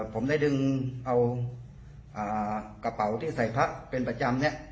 ผมได้ดึงเอากระเป๋าที่ใส่พระเป็นประจำเนี่ย